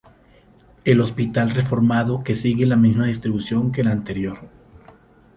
El hospital reformado, que sigue la misma distribución que el anterior.